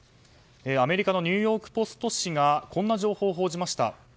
アメリカのニューヨーク・ポスト紙がこんな情報を報じました。